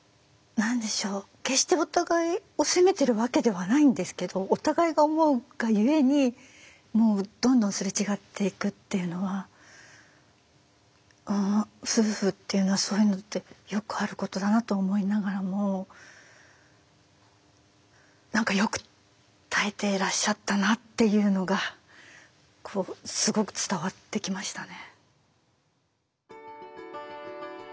決してお互いを責めてるわけではないんですけどお互いが思うがゆえにもうどんどんすれ違っていくっていうのは夫婦っていうのはそういうのってよくあることだなと思いながらも何かよく耐えてらっしゃったなっていうのがこうすごく伝わってきましたね。